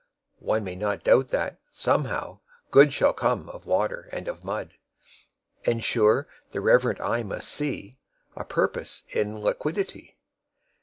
9One may not doubt that, somehow, Good10Shall come of Water and of Mud;11And, sure, the reverent eye must see12A Purpose in Liquidity.